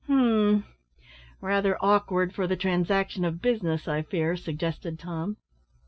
"Hum, rather awkward for the transaction of business, I fear," suggested Tom.